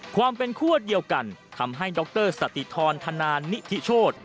ความเป็นคั่วเดียวกันทำให้ดรสติธรธนานิทิโชธ